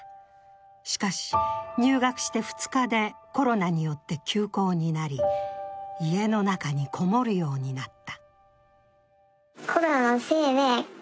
しかし、入学して２日でコロナによって休校になり、家の中にこもるようになった。